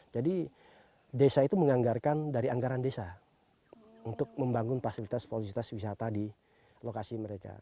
jadi desa itu menganggarkan dari anggaran desa untuk membangun fasilitas fasilitas wisata di lokasi mereka